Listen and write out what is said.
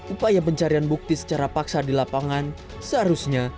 upaya pencarian bukti secara paksa di lapangan seharusnya